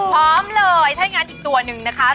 พร้อมเลยถ้าอย่างนั้นอีกตัวหนึ่งนะคะ